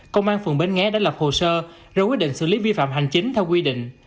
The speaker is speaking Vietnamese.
công an phường bến nghé đã lập hồ sơ rồi quyết định xử lý vi phạm hành chính theo quy định